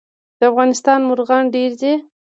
د افغانستان مرغان ډیر دي